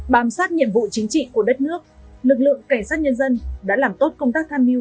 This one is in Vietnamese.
bám sát nhiệm vụ chính trị của đất nước lực lượng cảnh sát nhân dân đã làm tốt công tác tham mưu